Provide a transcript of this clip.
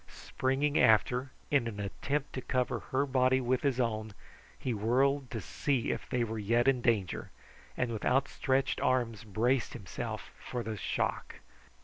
Springing after, in an attempt to cover her body with his own, he whirled to see if they were yet in danger, and with outstretched arms braced himself for the shock.